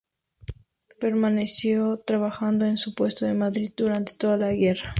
Permaneció trabajando en su puesto en Madrid durante toda la guerra.